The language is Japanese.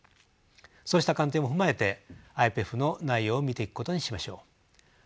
そうした観点も踏まえてＩＰＥＦの内容を見ていくことにしましょう。